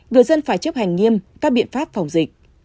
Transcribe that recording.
người dân phải chấp hành nghiêm các biện pháp phòng dịch